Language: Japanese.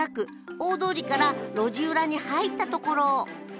大通りから路地裏に入った所。